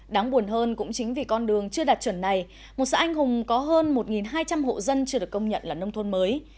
đáng buồn hơn cũng chính vì con đường chưa đạt chuẩn này một xã anh hùng có hơn một hai trăm linh hộ dân chưa được công nhận là nông thôn mới